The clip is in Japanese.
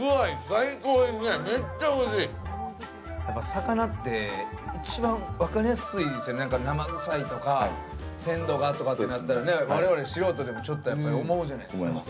魚って一番分かりやすいですよね、生臭いとか鮮度がってなったら、我々素人でもちょっとやっぱり思うじゃないですか。